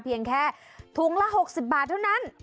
เพียงแค่ถุงละ๖๐บาทเท่านั้น